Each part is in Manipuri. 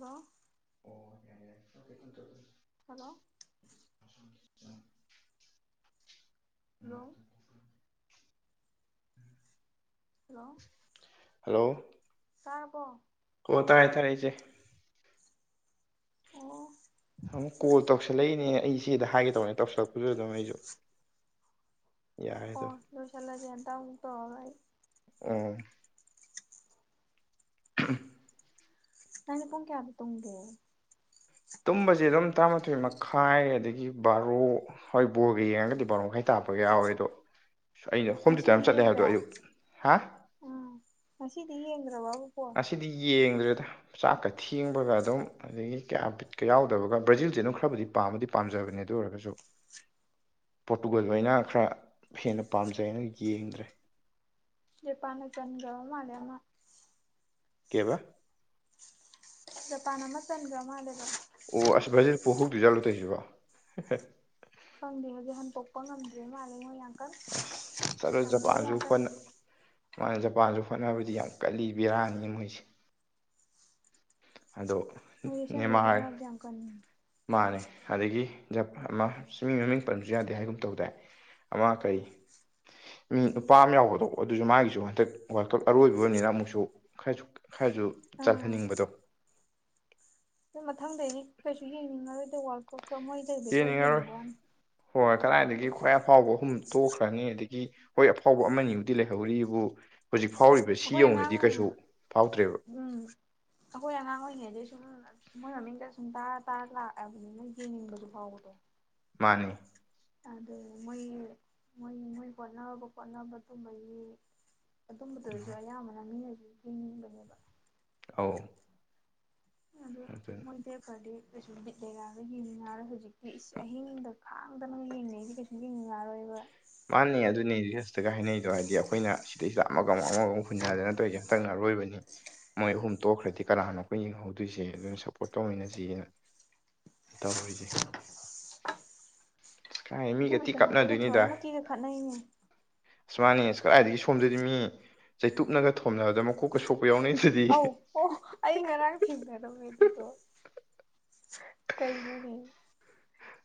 ꯍꯜꯂꯣ ꯌꯥ ꯍꯜꯂꯣ ꯍꯂꯣ ꯍꯜꯂꯣ ꯍꯜꯂꯣ ꯁꯥꯥꯔꯕꯣ ꯑꯣ ꯇꯥꯔꯦ ꯊꯥꯔꯦ ꯏꯆꯦ ꯑꯣ ꯑꯃꯨꯛ ꯀꯣꯜ ꯇꯧꯁꯜꯂꯛꯏꯅꯦ ꯑꯩ ꯏꯆꯦꯗ ꯍꯥꯏꯒꯦ ꯇ ꯇ ꯀꯗ ꯆ ꯑꯣ ꯂꯣꯁꯜꯂ ꯆꯦꯟꯗ ꯎꯗꯏ ꯑꯥ [unintelligible] ꯅꯅꯦ ꯄꯨꯡ ꯀꯌꯥꯗ ꯇꯨꯡꯒꯦ ꯇꯨꯝꯕꯁꯦ ꯑꯗꯨꯝ ꯇꯔꯥꯃꯥꯊꯣꯏ ꯃꯈꯥꯏ ꯑꯗꯒꯤ ꯕꯥꯔꯣ ꯍꯣꯏ ꯕꯣꯔꯒ ꯌꯦꯡꯉꯒꯗꯤ ꯕꯥꯔꯣ ꯈ ꯍꯥꯏꯇꯥꯔꯦ ꯌꯥꯋꯦ ꯑ ꯑꯩꯅ ꯍꯣꯝ ꯇ꯭ꯌꯨꯇꯔ ꯉꯁꯤꯗꯤ ꯑꯃ ꯆꯠꯂꯦ ꯍꯥꯏꯕꯗꯣ ꯌꯦꯡꯗ꯭ꯔꯦ ꯑꯌꯨꯛ ꯌꯦꯡꯟ꯭ꯔꯋꯥ ꯑꯁꯤꯗꯤ ꯌꯦꯡ ꯑꯗꯨꯗ ꯆꯥꯛꯀ ꯊꯦꯡꯕꯒ ꯑꯗꯨꯝ ꯑꯗꯒꯤ ꯀꯌꯥ ꯄꯤꯠꯀ ꯌꯥꯎꯗꯕꯒ ꯕ꯭ꯔꯥꯖꯤꯜꯁꯦ ꯑꯗꯨꯝ ꯈꯔꯕꯨꯗꯤ ꯄꯥꯝꯃꯗꯤ ꯄꯥꯝꯃꯦ ꯄꯥꯝꯖꯕꯅꯦ ꯑꯗꯨ ꯑꯣꯏꯔꯒꯁꯨ [inaudible] ꯄꯣꯔꯇꯨꯒꯜ ꯑꯣꯏꯅ ꯈꯔ ꯍꯦꯟꯅ ꯄꯥꯝꯖꯩꯅ ꯌꯦꯡꯗ꯭ꯔꯦ [unintelligible] ꯆꯟꯒꯔꯕ ꯑꯃ ꯀꯩꯕ ꯖꯄꯥꯟ ꯑꯃ ꯆꯟꯒꯔ ꯃꯥꯜꯂꯦꯕ ꯑꯣ ꯑꯁ ꯕ꯭ꯔꯥꯖꯤꯜ ꯄꯣꯛꯍꯧꯗꯣꯏ ꯖꯥꯠꯂꯣ ꯇꯧꯔꯤꯁꯤꯕꯣ [unintelligible] ꯈꯪꯗꯦ ꯍꯧꯖꯤꯛ ꯍꯟꯇꯣꯛꯄ ꯉꯝꯗ꯭ꯔꯦ ꯃꯥꯜꯂꯦ ꯃꯣꯏ ꯌꯥꯝ ꯀꯟꯅ ꯑꯁ ꯆꯠꯂꯣꯏ ꯁꯥꯟꯅꯔꯤ ꯖꯄꯥꯟꯁꯨ ꯌꯥꯝ ꯀꯟꯅ ꯍꯣꯠꯅ ꯃꯥꯅ ꯖꯄꯥꯟꯁꯨ ꯍꯣꯠꯅꯕꯗꯤ ꯌꯥꯝ ꯀꯜꯂꯤ ꯕꯦꯔꯥꯅꯤ ꯃꯣꯏꯁꯦ ꯑꯗꯣ ꯃꯣꯏ ꯑꯁꯦꯡꯕꯩ ꯅꯦꯃꯥꯔ ꯍꯣꯠꯅꯕꯗ ꯌꯥꯝ ꯀꯟꯕꯅꯤ ꯃꯥꯅꯦ ꯑꯗꯒꯤ ꯑꯃ ꯆꯃꯤ ꯃꯃꯤꯡ ꯄꯟꯕꯁꯨ ꯌꯥꯗꯦ ꯍꯥꯏꯒꯨꯝ ꯇꯧ ꯇꯥꯏ ꯑꯃ ꯀꯩ ꯃꯤ ꯅꯨꯄꯥ ꯑꯃ ꯌꯥꯎꯕꯗꯣ ꯑꯗꯨꯁꯨ ꯃꯥꯒꯤꯁꯨ ꯍꯟꯗꯛ ꯋꯥꯔꯜ ꯀꯞ ꯑꯔꯣꯏꯕꯅꯤꯅ ꯑꯃꯨꯛꯁꯨ ꯑꯥ ꯆꯜꯍꯟꯅꯤꯡꯕꯗꯣ [inaudible] ꯃꯊꯪꯗꯒꯤꯗꯤ ꯀꯩꯁꯨ ꯌꯦꯡꯅꯤꯡꯉꯔꯣꯏꯗ ꯋꯥꯔꯜ ꯀꯞꯀ ꯃꯣꯏꯗ [unintelligible] ꯈꯔ ꯌꯦꯡꯅꯤꯡꯉꯔꯣꯏ ꯌꯦꯡꯕꯩ ꯋꯥꯅꯤ ꯍꯣꯏ ꯀꯗꯥꯏꯗꯒꯤ ꯈ꯭ꯋꯥꯏ ꯑꯐꯥꯎꯕ ꯑꯍꯨꯝ ꯇꯣꯛꯈ꯭ꯔꯅꯤ ꯑꯗꯒꯤ ꯍꯣꯏ ꯑꯐꯥꯎ ꯑꯃꯅꯤꯕꯨꯗꯤ ꯂꯩꯍꯧꯔꯤꯕꯨ ꯍꯧꯖꯤꯛ ꯐꯥꯎꯔꯤꯕ ꯁꯤ ꯑꯩꯈꯣꯏ ꯑꯉꯥꯡ ꯌꯧꯅꯗꯤ ꯀꯩꯁꯨ ꯐꯥꯎꯗ꯭ꯔꯦꯕ ꯎꯝ ꯑꯩꯈꯣꯏ ꯑꯉꯥꯡ ꯑꯣꯏꯔꯤꯉꯩꯗꯗꯤ ꯁꯨꯝ ꯃꯣꯏ ꯃꯃꯤꯡꯒ ꯁꯨꯝ ꯇꯥꯔ ꯇꯥꯔ ꯂꯥꯛꯑꯕꯅꯤꯅ ꯌꯦꯡꯅꯤꯡꯕꯗꯨ ꯐꯥꯎꯕꯗꯣ ꯃꯥꯅꯦ ꯑꯗꯨ ꯃꯣꯏ ꯃꯣꯏ ꯃꯣꯏ ꯍꯣꯠꯅꯕ ꯈꯣꯠꯅꯕ ꯇꯨꯝꯃꯒꯤ ꯑꯗꯨꯝꯕꯗꯨꯁꯨ ꯑꯌꯥꯝꯕꯅ ꯃꯤꯅꯁꯨ ꯌꯦꯡꯅꯤꯡꯕꯅꯦꯕ ꯑꯧ ꯑꯗꯨ ꯑꯗꯨꯅꯤ ꯃꯣꯏꯗꯦꯛꯄꯗꯤ ꯀꯩꯁꯨ ꯂꯩꯔꯥꯒ ꯌꯦꯡꯟꯅꯔ ꯍꯧꯖꯤꯛꯇꯤ ꯑꯍꯤꯡꯗ ꯈꯥꯡꯗꯅ ꯌꯦꯡꯉꯩꯁꯤ ꯀꯩꯁꯨ ꯌꯦꯡꯅꯤꯡꯉꯔꯣꯏꯕ ꯃꯥꯅꯦ ꯑꯗꯨꯅꯤ ꯁꯇꯒ ꯍꯥꯏꯅꯩꯗꯣ ꯍꯥꯏꯗꯤ ꯑꯩꯈꯣꯏꯅ ꯁꯤꯗꯩꯁꯤꯗ ꯑꯃꯒ ꯑꯃꯒ ꯑꯃ ꯍꯨꯟꯅꯗꯅ ꯇꯧꯔꯤꯁ ꯑꯝꯇꯛꯅ ꯣꯏꯕꯅꯤ ꯃꯣꯏ ꯑꯍꯨꯝ ꯇꯣꯛꯈ꯭ꯔꯗꯤ ꯀꯅꯥꯅꯣ ꯑꯩꯈꯣꯏ ꯌꯦꯡꯍꯧꯗꯣꯏꯁꯦ ꯑꯗꯨꯅ ꯁꯞꯄꯣꯔꯠ ꯇꯧꯃꯤꯟꯅꯁꯤ ꯇꯧꯔꯤꯁꯦ [inaudible] ꯑꯁ ꯀꯥꯏ ꯃꯤꯒ ꯊꯤ ꯑꯗꯨꯒꯤꯗꯃꯛꯇꯒ ꯊꯣꯏꯃꯛꯀꯤꯒ ꯈꯠꯅꯩꯅꯦ ꯑꯁꯨꯃꯅꯤ ꯑ ꯀꯗꯥꯏꯗꯒꯤ ꯁꯣꯝꯗꯗꯤ ꯃꯤ ꯆꯩꯇꯨꯞꯅꯒ ꯊꯣꯝꯅꯕꯗ ꯃꯀꯣꯛꯀ ꯁꯣꯛ ꯑ ꯑꯣ ꯑꯩ ꯉꯔꯥꯡ ꯊꯦꯡꯅꯔꯝꯃꯦ ꯑꯗꯨꯗꯣ ꯀꯩꯅꯣꯅꯦ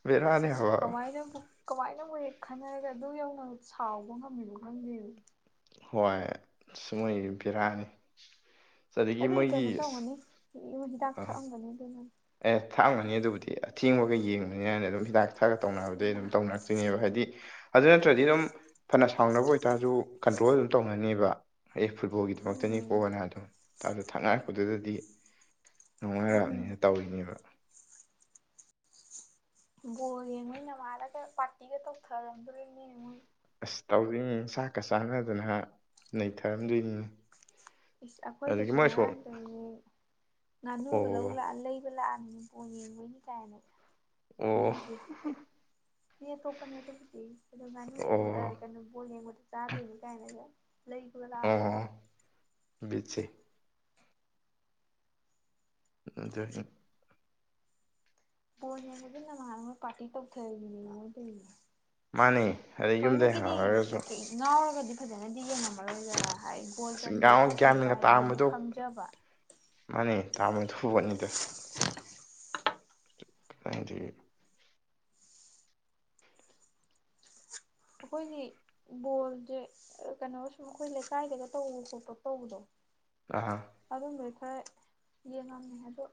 ꯕꯦꯔꯥꯅꯦ ꯍꯥꯏꯕ ꯀꯃꯥꯏꯅ ꯀꯃꯥꯏ ꯪꯉ ꯍꯦꯛ ꯈꯟꯅꯔꯒ ꯑꯗꯨ ꯌꯧꯅ ꯁꯥꯎꯕ ꯉꯝꯃꯤꯅꯣ ꯈꯪꯗꯦ ꯍꯣꯏ ꯁꯃꯣꯏ ꯕꯤꯔꯥꯅꯤ ꯑꯗꯨꯏ ꯀꯩꯅꯣ ꯇꯧꯒꯅꯤ ꯍꯤꯗꯥꯛ ꯑꯥ ꯊꯛꯑꯝꯒꯅꯤ ꯑꯗꯨꯃꯅꯤ ꯑꯦ ꯊꯥꯡꯃꯅꯤ ꯑꯗꯨꯕꯨꯗꯤ ꯑꯊꯦꯡꯕꯒ ꯌꯦꯡꯉꯨꯅꯤ ꯍꯥꯏꯅ ꯑꯗꯨꯝ ꯍꯤꯗꯥꯛꯇ ꯑꯠꯊꯛꯒ ꯇꯧꯅꯕꯗꯩ ꯑꯗꯨꯝ ꯇꯧꯅꯔꯛꯇꯣꯏꯅꯦꯕ ꯍꯥꯏꯗꯤ ꯑꯗꯨ ꯅꯠꯇ꯭ꯔꯗꯤ ꯑꯗꯨꯝ ꯐꯅ ꯁꯥꯎꯅꯕ ꯑꯣꯏꯇꯥꯔꯁꯨ ꯀꯟꯇ꯭ꯔꯣꯜ ꯑꯗꯨꯝ ꯇꯧꯅꯅꯦꯕ ꯑꯦ ꯎꯝ ꯐꯨꯠꯕꯣꯜꯒꯤꯗꯃꯛꯇꯅꯤꯀꯣꯅꯥꯗꯣꯗꯣ ꯊꯛꯅꯥꯔꯛꯄꯗꯨꯗꯗꯤ ꯎꯝ ꯎꯝ ꯊꯅꯤꯕ ꯕꯣꯔꯦ ꯃꯣꯏ ꯅꯃꯥꯔꯒ ꯄꯥꯔꯇꯤꯒ ꯇꯧꯊꯔꯝꯗꯣꯅꯦꯉꯣꯏ ꯑꯁ ꯇꯧꯗꯣꯏꯅꯤ ꯆꯥꯛꯀ ꯆꯥꯟꯅꯗꯅ ꯅꯩꯊꯔꯝꯗꯣꯏꯅꯤꯅꯦ ꯑꯩꯈꯣꯏꯗꯁꯨ ꯉꯔꯥꯡꯗ ꯉꯥꯅꯨꯒ ꯑꯣ ꯂ ꯂꯩꯕ ꯂꯥꯛꯑꯒ ꯑꯅꯤ ꯕꯣꯜ ꯌꯦꯡꯕꯩꯅꯤ ꯀꯥꯏꯅꯒꯥ ꯎ ꯎ ꯃꯤ ꯇꯣꯄꯅꯤ ꯇꯞꯇꯣ ꯃꯅ ꯑꯣ ꯀꯩꯅꯣꯂꯦꯉ ꯆꯥ ꯇꯅꯤ ꯀꯅ ꯑꯍꯥ ꯕꯤꯠꯁꯦ [unintelligible] ꯕꯣꯜ ꯌꯦꯡꯕꯒꯤ ꯅꯥꯃꯗ ꯃꯣꯏ ꯄꯥꯔꯇꯤ ꯇꯧꯊꯕꯤꯅꯦꯃꯤ ꯃꯣꯏ ꯇꯣꯏꯁꯤ ꯃꯥꯅꯦ ꯑꯗꯩ ꯌꯨꯝꯗꯩ ꯊꯥꯎꯏꯃꯥꯀꯤꯗꯤ ꯍꯧꯔꯒꯁꯨ ꯉꯥꯎꯔꯒꯗꯤ ꯐꯖꯅꯗꯤ ꯌꯦꯡꯉꯃ ꯃꯔꯣꯌꯗꯅ ꯍꯥꯏ ꯒꯣꯜ ꯑꯁ ꯆꯟꯈꯔꯦ ꯌꯥꯝ ꯈꯣꯠꯀꯔꯦ ꯒ꯭ꯌꯥꯟꯒ ꯀꯥꯏꯅꯥꯗꯤ ꯇꯥꯔꯝꯕꯗꯣ ꯈꯡꯖꯕ ꯇꯥꯕ [unintelligible] ꯅꯤꯗꯥ [unintelligible] ꯑꯩꯈꯣꯏꯒꯤ ꯕꯣꯜꯁꯦ ꯀꯩꯅꯣ ꯁꯨꯝ ꯑꯩꯈꯣꯏ ꯂꯩꯀꯥꯏꯗꯒ ꯇꯧꯕ ꯈꯣꯠꯄ ꯇꯧꯕꯗꯣ ꯑꯥ ꯑꯗꯨꯝꯕꯩ ꯈꯔ ꯌꯦꯡꯉꯝꯃꯦ ꯑꯗꯣ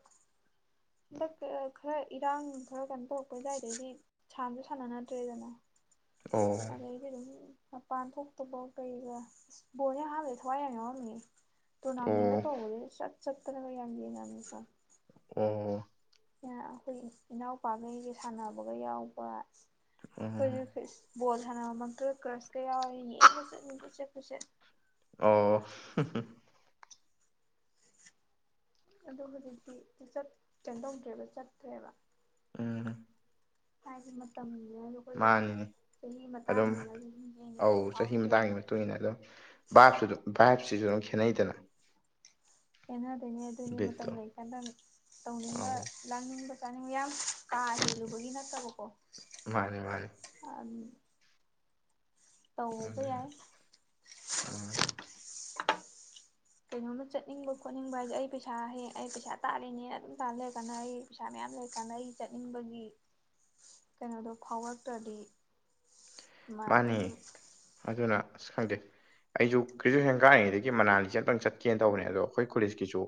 ꯁꯛꯇꯤ ꯑꯩ ꯈꯔ ꯏꯔꯥꯡ ꯈꯔ ꯀꯩꯅꯣ ꯇꯧꯔꯛꯄꯩ ꯑꯗꯩꯗꯤ ꯁꯥꯟꯁꯨ ꯁꯥꯟꯅꯅꯗ꯭ꯔꯦꯗꯅ ꯑꯣ ꯑꯗꯩꯗꯤ ꯑꯗꯨꯝ ꯃꯄꯥꯟ ꯊꯣꯛꯇꯕꯥꯎ ꯀꯩꯒ ꯕꯣꯅꯦ ꯍꯥꯕꯦ ꯊꯋꯥꯏ ꯌꯥꯏ ꯌꯥꯎꯔꯝꯃꯤ ꯇꯣꯔꯅꯥꯃꯦꯟ ꯀꯥ ꯑꯣ ꯇꯧꯕꯒ ꯆꯇ ꯆꯇꯅꯒ ꯌꯥꯝ ꯌꯦꯡꯂꯝ ꯃꯤꯃꯣ ꯏꯗꯦ ꯌꯥ ꯑꯩꯈꯣꯌꯒꯤ ꯏꯅꯥꯎꯄꯥꯈꯩꯒꯤ ꯁꯥꯟꯅꯕꯒ ꯌꯥꯎꯕ ꯎꯝ ꯑꯩꯈꯣꯏꯁꯨ ꯐꯤꯁ ꯕꯣꯜ ꯁꯥꯟꯅꯕꯃꯛꯇ ꯀ꯭ꯔꯁꯀ ꯌꯥꯎꯔꯦ ꯌꯦꯡꯕ ꯆꯠꯅꯤ ꯀꯣꯢꯆꯠ ꯀꯣꯢꯆꯠ ꯑꯣ ꯑꯗꯨ ꯍꯧꯖꯤꯛꯇꯤ ꯆꯨꯆꯠ ꯀꯩꯅꯣꯇꯧꯗ꯭ꯔꯦꯕ ꯆꯠꯇ꯭ꯔꯦꯕ ꯎꯝ ꯍꯥꯏꯗꯤ ꯃꯇꯝ ꯃꯥꯅꯤꯅꯦ ꯑꯗꯨꯝ ꯑꯧ ꯌꯦꯡꯅꯤꯡꯕꯗꯣ ꯆꯍꯤ ꯃꯇꯥꯡꯒꯤ ꯐꯥꯎꯗ꯭ꯔꯦꯅ ꯃꯇꯨꯡ ꯏꯟꯅ ꯑꯗꯨꯝ ꯚꯥꯞꯁꯨ ꯑꯗꯨꯝ ꯚꯥꯏꯚꯁꯤꯁꯨ ꯑꯗꯨꯝ ꯈꯦꯠꯅꯩꯗꯅ ꯈꯦꯠꯅꯗꯣꯏꯅꯦ ꯑꯗꯨꯏꯅꯦ ꯃꯇꯝ ꯕꯤꯠꯇꯣ ꯂꯩ ꯀꯥꯟꯗ ꯇꯧꯅꯤꯡꯕ ꯑꯧ ꯂꯥꯛꯅꯤꯡꯕ ꯆꯥꯅꯤꯡꯨ ꯌꯥꯝ ꯀꯥ ꯍꯦꯜꯂꯨꯕꯒꯤ ꯅꯠꯇꯕꯀꯣ ꯃꯥꯅꯤ ꯃꯥꯅꯤ ꯇꯧꯕꯥ ꯑꯗꯨꯅ ꯌꯥꯏ ꯃꯥꯅꯤ ꯀꯩꯅꯣꯝꯃ ꯆꯠꯅꯤꯡꯕ ꯈꯣꯠꯅꯤꯡꯕ ꯍꯥꯏꯁꯦ ꯑꯩ ꯄꯩꯁꯥ ꯍꯦꯛ ꯑꯩ ꯄꯩꯁꯥ ꯇꯥꯜꯂꯤꯅꯦ ꯑꯗꯨꯝ ꯇꯥꯜ ꯂꯩꯔ ꯀꯥꯟꯅ ꯑꯩ ꯄꯩꯁꯥ ꯃꯌꯥꯝ ꯂꯩ ꯀꯥꯟꯅꯩ ꯆꯠꯅꯤꯡꯕꯒꯤ ꯀꯩꯅꯣꯗꯣ ꯐꯥꯎꯔꯛꯇ꯭ꯔꯗꯤ ꯃꯥ ꯃꯥꯅꯤ ꯑꯗꯨꯁꯨ ꯑꯗꯨꯅ ꯑꯁ ꯈꯡꯗꯦ ꯑꯩꯁꯨ ꯒ꯭ꯔꯦꯖꯨꯋꯦꯁꯟ ꯀꯥꯔꯤꯉꯩꯗꯒꯤ ꯃꯅꯥꯂꯤꯁꯦ ꯑꯃꯇꯡ ꯆꯠꯀꯦꯅ ꯇꯧꯕꯅꯦ ꯑꯗꯣ ꯑꯩꯈꯣꯏ ꯀꯣꯂꯦꯁꯀꯤꯁꯨ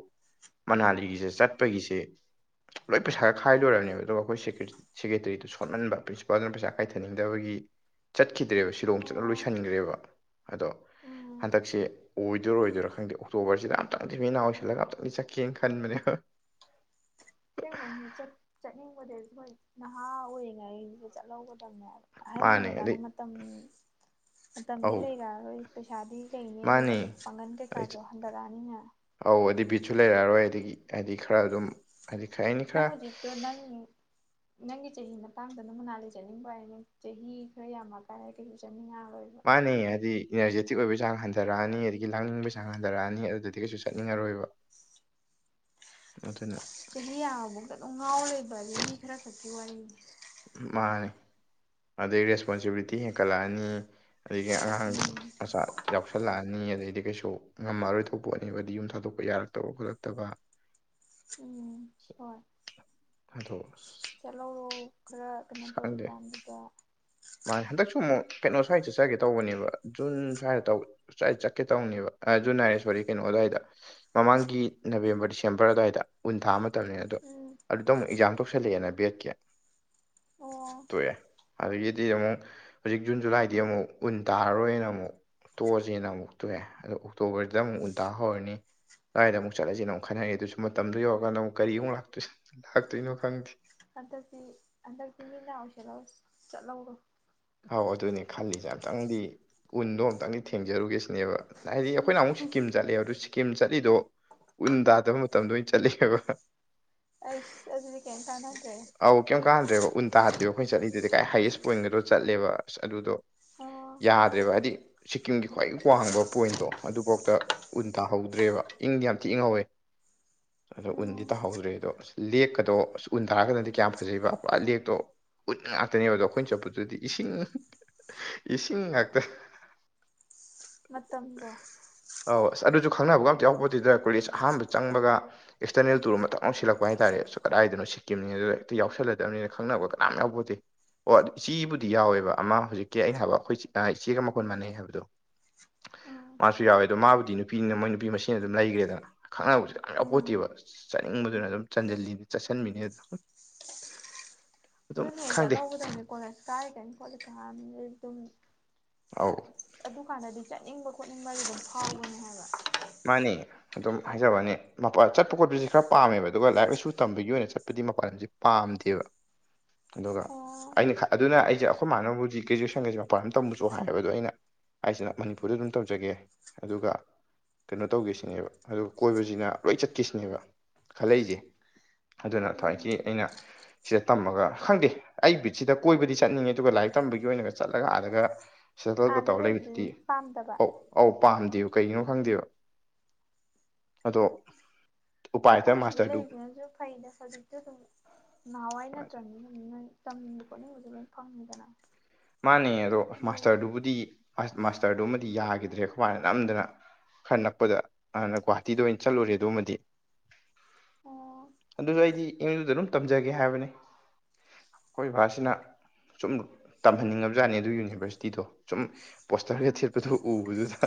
ꯃꯅꯥꯂꯤꯁꯦ ꯆꯠꯄꯒꯤꯁꯦ ꯂꯣꯏ ꯄꯩꯁꯥ ꯈꯥꯏ ꯂꯣꯏꯔꯕꯃꯦꯕ ꯑꯗꯨꯒ ꯑꯩꯈꯣꯏ ꯁꯦꯀ꯭ꯔꯦꯇꯔꯤꯗꯨ ꯁꯣꯟꯍꯟꯕ ꯄ꯭ꯔꯤꯟꯁꯤꯄꯥꯜꯗꯨꯅ ꯄꯩꯁꯥ ꯀꯥꯏꯊꯅꯤꯡꯗꯕꯒꯤ ꯆꯠꯈꯤꯗ꯭ꯔꯦꯕ ꯁꯤꯂꯣꯡ ꯆꯠꯂ ꯑꯣ ꯂꯣꯏꯁꯟꯈ꯭ꯔꯦꯕ ꯑꯗꯣ ꯎꯝ ꯍꯟꯗꯛꯁꯦ ꯑꯣꯏꯗꯣꯔꯥ ꯑꯣꯏꯔꯣꯏꯗꯤꯔꯥ ꯈꯪꯗꯦ ꯑꯣꯛꯇꯣꯕꯔꯁꯤꯗ ꯑꯃꯨꯛꯇꯪꯗꯤ ꯃꯤꯠ ꯅꯥ ꯎꯏꯁꯤꯜꯂꯒ ꯑꯝꯛꯇꯡꯗꯤ ꯆꯠꯀꯦꯅ ꯈꯟꯕꯅꯦ [inaudible] ꯁꯦꯡꯕꯩꯅ ꯆꯠꯅꯤꯡꯕꯗ ꯑꯩꯏ ꯅꯍꯥ ꯑꯣꯏꯔꯤꯉꯩꯗ ꯆꯠꯍꯗ ꯑꯍꯟ ꯃꯥꯅꯦ ꯑꯣꯏꯔꯀꯥꯟꯗ ꯑꯗꯩ ꯃꯇꯝ ꯃꯇꯝꯗꯤ ꯑꯧ ꯂꯩꯔꯛꯑꯔꯣꯏ ꯄꯩꯁꯥꯗꯤ ꯂꯩꯅꯤ ꯑꯗꯨꯗꯣ ꯃꯥꯅꯦ ꯄꯥꯡꯒꯟ ꯑꯗꯩ ꯀꯩꯀꯥꯁꯨ ꯍꯟꯊꯔꯛꯑꯅꯤꯅ ꯁꯨ ꯂꯩꯔꯛꯑꯔꯣꯏ ꯑꯗꯒꯤ ꯍꯥꯏꯗꯤ ꯈꯔ ꯑꯗꯨꯝ ꯍꯥꯏꯗꯤ ꯀꯩ ꯍꯥꯏꯅꯤ ꯅꯪ ꯈꯔ ꯍꯧꯖꯤꯛꯇꯣ ꯅꯪ ꯅꯪꯒꯤ ꯆꯍꯤ ꯃꯇꯥꯡꯗꯅ ꯃꯅꯥ ꯂꯩꯖꯅꯤꯡꯕ ꯍꯥꯏ ꯆꯍꯤ ꯈꯔ ꯌꯥꯝꯃ ꯀꯔꯤꯁꯨ ꯆꯥꯅꯤꯡ ꯉꯥꯛꯔꯣꯏ ꯃꯥꯅꯤ ꯍꯥꯏꯗꯤ ꯏꯅꯔꯖꯦꯇꯤꯛ ꯑꯣꯏꯕꯒꯤ ꯆꯥꯡ ꯍꯟꯊꯔꯛꯑꯅꯤ ꯑꯗꯒꯤ ꯂꯥꯡꯅꯤꯡꯕꯒꯤ ꯆꯥꯡ ꯍꯟꯊꯔꯛꯑꯅꯤ ꯑꯗꯨꯗꯤ ꯀꯩꯁꯨ ꯆꯠꯅꯤꯡꯉꯔꯣꯏꯕ [inaudible] ꯄꯇꯨꯏꯅꯥ ꯆꯍꯤ ꯌꯥꯝꯉꯕꯧꯇ ꯑꯗꯨꯝ ꯉꯥꯎꯔ ꯂꯩꯕꯥ ꯍꯥꯏꯁꯤ ꯃꯤ ꯈꯔ ꯈꯛꯀꯤ ꯋꯥꯔꯤꯅꯤ ꯃꯥꯅꯦ ꯑꯗꯩ ꯔꯦꯁꯄꯣꯟꯁꯤꯕꯤꯂꯤꯇꯤ ꯍꯦꯟꯀꯠꯂꯛꯑꯅꯤ ꯑꯗꯒꯤ ꯑꯉꯥꯡ ꯎꯝ ꯃꯆꯥ ꯌꯥꯎꯁꯜꯂꯛꯑꯅꯤ ꯑꯗꯩꯗꯤ ꯀꯩꯁꯨ ꯉꯝꯃꯔꯣꯏ ꯊꯣꯛꯄꯣꯠꯅꯦꯕꯗꯤ ꯌꯨꯝ ꯊꯥꯗꯣꯛꯄ ꯌꯥꯔꯛꯇꯕ ꯈꯣꯠꯂꯛꯇꯕ ꯎꯝ ꯍꯣꯏ ꯑꯗꯣ ꯆꯠꯍꯧꯔꯣ ꯈꯔ ꯀꯩꯅꯣ ꯇꯧꯔꯤ ꯀꯥꯟꯗꯨꯗ ꯃꯥꯅꯦ ꯍꯟꯗꯛꯁꯨ ꯑꯃꯨꯛ ꯀꯩꯅꯣ ꯁ꯭ꯋꯥꯏ ꯆꯠꯆꯒꯦ ꯇꯧꯕꯅꯦꯕ ꯖꯨꯟ ꯁ꯭ꯋꯥꯏꯗ ꯆꯠꯀꯦ ꯇꯧꯕꯅꯦꯕ ꯑ ꯖꯨꯟ ꯍꯥꯏꯔꯦ ꯁꯣꯔꯤ ꯀꯩꯅꯣ ꯑꯗꯨꯋꯥꯏꯗ ꯃꯃꯥꯡꯒꯤ ꯅꯕꯦꯝꯕꯔ ꯗꯤꯁꯦꯝꯕꯔ ꯑꯗꯨꯋꯥꯏꯗ ꯎꯨꯟ ꯇꯥ ꯃꯇꯝ ꯇꯝꯅꯤ ꯑꯗꯣ ꯎꯝ ꯑꯗꯨꯗ ꯑꯃꯨꯛ ꯑꯦꯛꯖꯥꯝ ꯇꯧꯁꯜꯂꯛꯑꯦꯅ ꯕꯦꯠꯀꯤ ꯑꯣ ꯇꯣꯛꯑꯦ ꯁꯤ ꯑꯃꯨꯛ ꯍꯧꯖꯤꯛ ꯖꯨꯟ ꯖꯨꯂꯥꯏꯗꯤ ꯑꯃꯨꯛ ꯎꯟ ꯇꯥꯔꯔꯣꯏꯅ ꯑꯃꯨꯛ ꯇꯣꯛꯑꯁꯦꯅ ꯑꯃꯨꯛ ꯇꯣꯛꯑꯦ ꯑꯗꯣ ꯑꯣꯛꯇꯣꯕꯔꯗ ꯑꯃꯨꯛ ꯎꯟꯇꯥ ꯍꯧꯔꯅꯤ ꯀꯗꯥꯥꯏꯗ ꯑꯃꯨꯛ ꯆꯠꯂꯁꯤꯅ ꯑꯃꯨꯛ ꯈꯟꯅꯔꯤ ꯑꯗꯨꯁꯨ ꯃꯇꯝꯗꯨ ꯌꯧꯔꯀꯥꯟꯗ ꯑꯃꯨꯛ ꯀꯔꯤ ꯑꯃꯨꯛ ꯂꯥꯛꯇꯣꯏ ꯂꯥꯛꯇꯣꯏꯅꯣ ꯈꯪꯗꯦ ꯍꯟꯗꯛꯇꯤ ꯍꯟꯗꯛꯇꯤ ꯃꯤꯠꯅꯥ ꯎꯏꯁꯤꯜꯂ ꯆꯠꯍꯧꯔꯣ ꯑꯥꯎ ꯑꯗꯨꯅꯦ ꯈꯜꯂꯤꯁꯦ ꯑꯝꯇꯪꯗꯤ ꯎꯟꯗꯣ ꯑꯨꯛꯇꯪꯗꯤ ꯊꯦꯡꯖꯔꯨꯒꯦꯁꯤꯅꯦꯕ ꯍꯥꯏꯗꯤ ꯑꯩꯈꯣꯏꯅ ꯑꯃꯨꯛ ꯁꯤꯀꯤꯝ ꯆꯠꯂꯦꯕ ꯑꯗꯨꯗ ꯁꯤꯀꯤꯝ ꯆꯠꯂꯤꯗꯣ ꯎꯟ ꯇꯥꯗꯕ ꯃꯇꯝꯗ ꯑꯣꯏꯅ ꯆꯠꯂꯦꯕ ꯑꯩꯁ ꯑꯗꯨꯗꯤ ꯀꯩꯝ ꯀꯥꯟꯅꯗ꯭ꯔꯦ ꯑꯧ ꯀꯩꯝ ꯀꯥꯟꯍꯟꯗ꯭ꯔꯦꯕ ꯎꯟ ꯇꯥꯗꯦꯕ ꯑꯈꯣꯏ ꯆꯠꯂꯤꯗꯨꯗꯤ ꯍꯥꯏꯌꯦꯁ ꯄꯣꯏꯟꯒꯗꯣ ꯆꯠꯂꯦꯕ ꯑꯁ ꯑꯗꯨꯗꯣ ꯑꯣ ꯌꯥꯗ꯭ꯔꯦꯕ ꯍꯥꯏꯗꯤ ꯁꯤꯛꯀꯤꯝꯒꯤ ꯈ꯭ꯋꯥꯏ ꯋꯥꯡꯕ ꯄꯣꯏꯟꯇꯣ ꯑꯗꯨꯐꯥꯎꯗ ꯎꯟ ꯇꯥꯍꯧꯗ꯭ꯔꯦꯕ ꯏꯪꯗꯤ ꯌꯥꯝ ꯊꯤ ꯏꯪꯍꯧꯋꯦ ꯑꯗꯣ ꯎꯟꯗꯤ ꯎꯝ ꯇꯥꯍꯧꯗ꯭ꯔꯦ ꯑꯗꯣ ꯑꯁ ꯂꯦꯛꯀꯗꯣ ꯑꯁ ꯎꯟ ꯇꯥꯔꯛꯀꯟꯗꯗꯤ ꯀꯌꯥꯝ ꯐꯖꯩꯕ ꯄꯨꯔꯥ ꯂꯦꯛꯇꯣ ꯎꯟ ꯉꯥꯛꯇꯅꯦꯕꯗꯣ ꯑꯈꯣꯏꯅ ꯆꯠꯄꯗꯨꯗꯤ ꯏꯁꯤꯡ ꯏꯁꯤꯡ ꯉꯥꯛꯇ ꯃꯇꯝꯗꯣ ꯑꯧ ꯑꯁ ꯑꯗꯨꯁꯨ ꯈꯪꯅꯕꯒ ꯑꯝꯇ ꯌꯥꯎꯄꯣꯠꯇꯦꯗ ꯀꯣꯂꯦꯖ ꯑꯍꯥꯟꯕ ꯆꯪꯕꯒ ꯑꯦꯛꯁꯇꯔꯅꯦꯜ ꯇꯨꯔ ꯑꯃ ꯊꯛ ꯂꯥꯎ ꯁꯤꯜꯂꯛꯄ ꯍꯥꯏꯇꯥꯔꯦ ꯁ ꯀꯗꯥꯏꯗꯅꯣ ꯁꯤ ꯁꯤꯀꯤꯝꯅꯤ ꯑꯗꯨꯗ ꯍꯦꯛꯇ ꯌꯥꯎꯁꯜꯂꯗꯝꯅꯦꯅ ꯈꯪꯅꯕ ꯀꯅꯥꯝ ꯌꯥꯎꯄꯣꯠꯇꯦ ꯑꯣ ꯑꯗꯨ ꯏꯆꯦꯕꯨ ꯗꯤ ꯌꯥꯎꯋꯦꯕ ꯑꯃ ꯍꯧꯖꯤꯛꯀꯤ ꯑꯩꯅ ꯍꯥꯏꯕ ꯑꯈꯣꯏ ꯏꯆꯦꯒ ꯃꯈꯣꯟ ꯃꯥꯟꯅꯩ ꯍꯥꯏꯕꯗꯣ ꯎꯝ ꯃꯥꯁꯨ ꯌꯥꯎꯋꯦ ꯑꯗꯣ ꯃꯥꯕꯨꯗꯤ ꯅꯨꯄꯤꯅꯤꯅ ꯃꯣꯏ ꯅꯨꯄꯤ ꯃꯁꯦꯟ ꯑꯗꯨꯝ ꯂꯩꯒ꯭ꯔꯦꯗꯅ ꯈꯪꯅꯕꯁꯨ ꯌꯥꯝ ꯎꯝ ꯌꯥꯎꯄꯣꯠꯇꯦꯕ ꯆꯅꯤꯡ ꯑꯗꯨꯅ ꯑꯗꯨꯝ ꯆꯟꯖꯜꯂꯤꯅꯤ ꯆꯠꯁꯟꯕꯤꯅꯤ ꯑꯗꯨꯝ [unintelligible] ꯑꯗꯨꯝ ꯗꯨꯅꯦ ꯈꯪꯗꯦ ꯆꯠꯍꯧꯒꯗꯝꯅꯤ ꯀꯣꯂꯦꯖ ꯀꯥꯔꯤ ꯀꯥꯟ ꯈꯣꯠꯂꯤ ꯀꯥꯟꯁꯤ ꯑꯗꯨꯝ ꯑꯧ ꯑꯗꯨꯀꯥꯟꯗꯗꯤ ꯆꯠꯅꯤꯡꯕ ꯈꯣꯠꯅꯤꯡꯕꯒꯤ ꯑꯗꯨꯝ ꯐꯥꯎꯕꯅꯦ ꯍꯥꯏꯕ ꯃꯥꯅꯤ ꯑꯗꯨꯝ ꯍꯥꯏꯖꯕꯅꯦ ꯃꯄꯥ ꯆꯠꯄ ꯈꯣꯠꯄꯁꯦ ꯈꯔ ꯄꯥꯝꯃꯦꯕ ꯑꯗꯨꯒ ꯂꯥꯏꯔꯤꯛ ꯂꯥꯏꯁꯨ ꯇꯝꯕꯒꯤ ꯑꯣꯏꯅ ꯆꯠꯄ ꯑꯗꯨꯗꯤ ꯃꯄꯥꯟ ꯂꯝꯁꯦ ꯄꯥꯝꯗꯦꯕ [unintelligible] ꯑꯗꯨꯒ ꯑꯣ ꯑꯩꯅ ꯑꯗꯨꯅ ꯑꯩꯁꯦ ꯑꯈꯣꯏ ꯃꯥꯅꯕꯨꯗꯤ ꯒ꯭ꯔꯦꯖꯨꯋꯦꯁꯟꯒꯁꯦ ꯃꯄꯥꯟ ꯂꯝ ꯇꯝꯃꯨꯆꯦ ꯍꯥꯏꯌꯦꯕ ꯑꯗꯣ ꯑꯩꯅ ꯑꯩꯁꯤꯅ ꯃꯅꯤꯄꯨꯔꯗ ꯑꯗꯨꯝ ꯇꯧꯖꯒꯦ ꯑꯗꯨꯒ ꯀꯩꯅꯣ ꯇꯧꯒꯦꯁꯤꯅꯦꯕ ꯑꯗꯨꯒ ꯀꯣꯏꯕꯁꯤꯅ ꯂꯣꯏ ꯆꯠꯈꯤꯁꯤꯅꯦꯕ ꯈꯜꯂꯛꯏꯁꯦ ꯑꯗꯨꯅ ꯎꯝ ꯊꯋꯣꯏꯀꯤ ꯑꯩꯅ ꯁꯤꯗ ꯇꯝꯃꯒ ꯈꯪꯗꯦ ꯑꯩ ꯕꯤꯠꯁꯤꯗ ꯀꯣꯏꯕꯗꯤ ꯆꯠꯅꯤꯡꯉꯦ ꯑꯗꯨꯒ ꯂꯥꯏ ꯔꯤꯛ ꯇꯝꯕꯒꯤ ꯑꯣꯏꯅꯒ ꯆꯠꯂꯒ ꯑꯥꯗꯒ ꯁꯦꯇꯜꯒ ꯑꯥꯗ ꯇꯧꯔꯒ ꯂꯩꯕꯗꯨꯗꯤ ꯄꯥꯝꯗꯕ ꯑꯧ ꯑꯧ ꯄꯥꯝꯗꯦꯕ ꯀꯩꯒꯤꯅꯣ ꯈꯪꯗꯦꯕ ꯑꯗꯣ ꯎꯄꯥꯏ ꯂꯩꯇ ꯑꯗꯨ ꯁꯤꯗ ꯃꯥꯁꯇꯔꯗꯨ ꯂꯩꯔꯤꯁꯤꯅꯁꯨ ꯐꯩꯗ ꯍꯧꯖꯤꯛꯇꯤ ꯑꯗꯨꯝ ꯅꯍꯥꯟꯋꯥꯏ ꯅꯠꯇ꯭ꯔꯝꯅꯤꯅ ꯑꯗꯨꯝ ꯅꯣꯏ ꯇꯝꯅꯤꯡꯕ ꯈꯣꯠꯅꯤꯡꯕꯗꯨ ꯂꯣꯏ ꯐꯪꯉꯤꯗꯅ ꯃꯥꯅꯦ ꯑꯗꯣ ꯑꯗꯨꯗꯤ ꯃꯥꯁꯇꯔꯗꯨꯕꯨꯗꯤ ꯑꯁ ꯃꯥꯁꯇꯔꯗꯨꯃꯗꯤ ꯌꯥꯒꯤꯗ꯭ꯔꯦ ꯑꯈꯣꯏ ꯃꯥꯅ ꯅꯝꯗꯅ ꯈꯔ ꯅꯛꯄꯗ ꯍꯥꯟꯅ ꯒꯨꯍꯥꯇꯤꯗ ꯑꯣꯏꯅ ꯆꯠꯂꯨꯔꯦ ꯑꯗꯨꯃꯗꯤ ꯑꯣ ꯑꯗꯨꯁꯨ ꯑꯩꯗꯤ ꯑꯦꯝ ꯌꯨꯗ ꯑꯗꯨꯝ ꯇꯝꯖꯒꯦ ꯍꯥꯏꯕꯅꯤ ꯑꯈꯣꯏ ꯕꯥꯥꯁꯤꯅ ꯁꯨꯝ ꯇꯝꯍꯟꯅꯤꯡꯉꯕ ꯖꯥꯠꯅꯦ ꯑꯗꯨ ꯌꯨꯅꯤꯚꯔꯁꯤꯇꯤꯗꯣ ꯁꯨꯝ ꯄꯣꯁꯇꯔꯒ ꯎꯝ ꯊꯦꯠꯄꯗꯣ ꯎꯕꯗꯨꯗ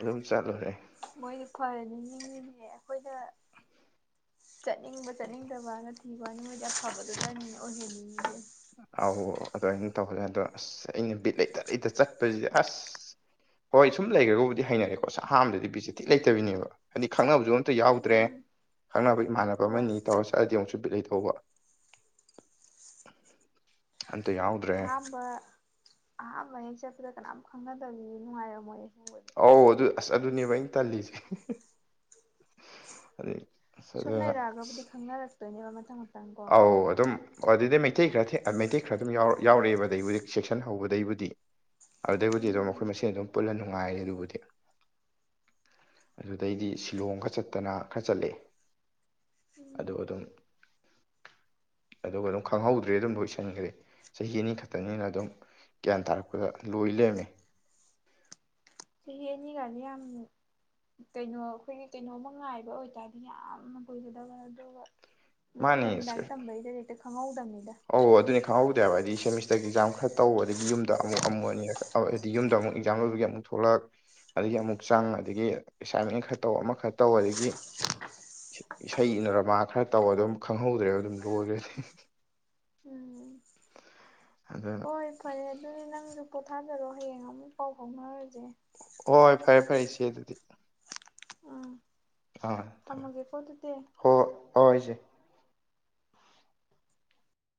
ꯑꯗꯨꯝ ꯆꯠꯂꯨꯔꯦ ꯃꯣꯏꯗꯤ ꯐꯔꯅꯤ ꯅꯥꯡꯉꯥꯅꯦ ꯑꯈꯣꯏꯗ ꯆꯠꯅꯤꯡꯕ ꯆꯠꯅꯤꯡꯗꯕꯅ ꯊꯤꯕꯣꯅꯤ ꯃꯣꯏꯗꯤ ꯑꯐꯕꯗꯨꯗꯅꯤꯅ ꯑꯣꯏꯖꯅꯤꯡꯉꯤ ꯑꯧ ꯑꯗꯨꯃꯥꯏꯅ ꯇꯧꯍꯜꯂꯦ ꯑꯗꯣ ꯑꯁ ꯑꯩꯅ ꯕꯤꯠ ꯂꯩꯇ ꯂꯩꯇ ꯆꯠꯄꯁꯤꯗꯤ ꯑꯁ ꯍꯣꯏ ꯁꯨꯝ ꯂꯩꯈ꯭ꯔꯒꯕꯨꯗꯤ ꯍꯩꯅꯔꯦꯀꯣ ꯑꯁ ꯑꯍꯥꯟꯕꯗꯗꯤ ꯕꯤꯖꯦ ꯊꯤ ꯂꯩꯇꯕꯤꯅꯦꯕ ꯍꯥꯏꯗꯤ ꯈꯪꯅꯕꯁꯨ ꯑ ꯌꯥꯎꯗ꯭ꯔꯦ ꯎꯝ ꯈꯪꯅꯕ ꯏꯃꯥꯟꯅꯕ ꯍꯣꯏ ꯑꯃꯅꯤ ꯇꯧꯔ ꯆꯠꯂꯑꯗꯤ ꯑꯃꯨꯛꯁꯨ ꯕꯤꯠ ꯂꯩ ꯀꯧꯕ [inaudible] ꯑꯍꯝꯕ ꯑꯍꯥꯝꯕꯅꯦꯛ ꯆꯠꯄꯗ ꯀꯅꯥꯝ ꯈꯪꯅꯗꯕꯤ ꯅꯨꯡꯉꯥꯏꯔ ꯃꯣꯏꯌꯦ ꯑꯧ ꯑꯗꯨ ꯑꯁ ꯑꯗꯨꯅꯦꯕ ꯑꯩꯅ ꯇꯜꯂꯤꯁꯦ ꯑꯁ ꯁꯨꯝ ꯑꯗꯨꯅ ꯑꯁ ꯂꯩꯔꯛꯑꯒꯕꯨꯗꯤ ꯈꯪꯅꯔꯛꯇꯣꯏꯅꯦꯕ ꯃꯊꯪ ꯃꯊꯪ ꯀꯣ ꯑꯧ ꯑꯗꯨꯝ ꯑꯣ ꯑꯗꯨꯗꯩ ꯃꯩꯇꯩ ꯈꯔ ꯃꯩꯇꯩ ꯈꯔ ꯑꯗꯨꯝ ꯌꯥꯎꯔꯛꯑꯦꯕ ꯑꯩꯕꯨꯗꯤ ꯁꯦꯛꯁꯟ ꯍꯧꯕꯗꯩꯕꯨꯗꯤ ꯑꯗꯨꯗꯩꯕꯨꯗꯤ ꯑꯗꯨꯝ ꯎꯝ ꯑꯩꯈꯣꯏ ꯃꯦꯟ ꯑꯗꯨꯝ ꯄꯨꯜꯂ ꯅꯨꯡꯉꯥꯏꯔꯦ ꯑꯗꯨꯕꯨꯗꯤ ꯑꯗꯨꯗꯩꯗꯤ ꯁꯤꯂꯣꯡ ꯈ ꯆꯠꯇꯅ ꯈꯔ ꯆꯠꯂꯦ ꯎꯝ ꯑꯗꯨ ꯑꯗꯨꯝ [unintelligible] ꯑꯗꯨꯒ ꯑꯗꯨꯝ ꯈꯪꯍꯧꯗ꯭ꯔꯦ ꯑꯗꯨꯝ ꯂꯣꯏꯁꯤꯟꯈ꯭ꯔꯦ ꯆꯍꯤ ꯑꯅꯤ ꯈꯛꯇꯅꯤꯅ ꯑꯗꯨꯝ ꯒ꯭ꯌꯥꯟ ꯇꯥꯔꯛꯄꯗ ꯂꯣꯏ ꯂꯦꯝꯃꯤ ꯁꯤꯅꯤ ꯀ ꯀꯩꯅꯣ ꯑꯩꯈꯣꯏꯒꯤ ꯀꯩꯅꯣꯝꯃ ꯉꯥꯏꯕ ꯑꯣꯏꯇꯥꯔꯗꯤ ꯌꯥꯝꯅ ꯀꯨꯏꯖꯗꯕ ꯑꯗꯨꯒ ꯑꯗꯨꯪ ꯃꯥꯅꯦ ꯅꯠꯇꯅꯤ ꯂꯗꯥꯔꯤꯛ ꯇꯝꯕꯩꯗꯦ ꯍꯦꯛꯇ ꯈꯪꯍꯧꯗꯕꯅꯤ ꯑꯧ ꯑꯗꯨꯅꯤ ꯈꯪꯍꯧꯗꯦ ꯍꯥꯏꯕ ꯍꯥꯏꯗꯤ ꯁꯦꯃꯤꯁꯇꯔꯒꯤ ꯑꯦꯛꯖꯥꯝ ꯈꯔ ꯇꯧ ꯑꯗꯒꯤ ꯌꯨꯝꯗ ꯑꯃꯨꯛ ꯑꯃꯅꯤ ꯍꯥꯏꯗꯤ ꯌꯨꯝꯗ ꯑꯃꯨꯛ ꯑꯦꯛꯖꯥꯝ ꯂꯣꯏꯕꯒꯤ ꯑꯃꯨꯛ ꯊꯣꯛꯂꯛ ꯑꯗꯒꯤ ꯑꯃꯨꯛ ꯆꯪ ꯑꯗꯒꯤ ꯑꯦꯁꯥꯏꯟꯃꯦꯟ ꯈꯔ ꯇꯧ ꯑꯃꯈꯔ ꯇꯧ ꯑꯗꯒꯤ ꯏꯁꯩꯅꯔꯃ ꯈꯔ ꯇꯧ ꯑꯗꯨꯝ ꯈꯪꯍꯧꯗ꯭ꯔꯦꯕ ꯑꯗꯨꯝ ꯂꯣꯒꯔꯦ ꯎꯝ ꯑꯗꯨꯅ ꯍꯣꯏ ꯐꯔꯦ ꯑꯗꯨꯗꯤ ꯅꯪꯁꯨ ꯄꯣꯊꯥꯖꯔꯣ ꯍꯌꯦꯡ ꯑꯃꯨꯛ ꯄꯥꯎ ꯐꯥꯎꯅꯔꯁꯦ ꯍꯣꯏ ꯍꯣꯏ ꯐꯔꯦ ꯐꯔꯦ ꯏꯆꯦ ꯑꯗꯨꯗꯤ ꯎꯝ ꯑꯥ ꯊꯝꯃꯦ ꯊꯝꯃꯒꯦꯀꯣ ꯑꯗꯨꯗꯤ ꯍ ꯑꯣꯏꯣꯏꯁꯦ